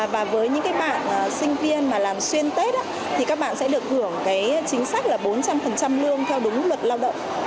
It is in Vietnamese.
và với những bạn sinh viên mà làm xuyên tết thì các bạn sẽ được hưởng chính sách là bốn trăm linh lương theo đúng luật lao động